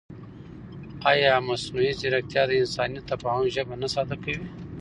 ایا مصنوعي ځیرکتیا د انساني تفاهم ژبه نه ساده کوي؟